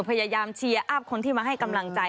พยายามเชียร์อัพคนที่มาให้กำลังใจ